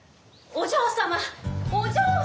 お嬢様！